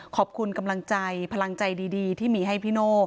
ขอบคุณกำลังใจพลังใจดีที่มีให้พี่โน่